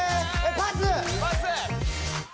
パス！